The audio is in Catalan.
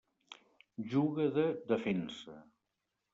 Juga de Defensa.